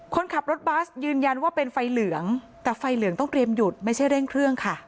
คนขับรถบัสยืนยันว่าเป็นไฟเหลืองแต่ไฟเหลืองต้องเตรียมหยุดไม่ใช่เร่งเครื่องค่ะ